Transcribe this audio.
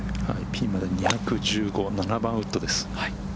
ピンまで２１５、７番ウッドです。